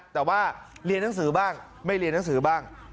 แต่ว่าเรียนหนังสือบ้างไม่เรียนหนังสือบ้าง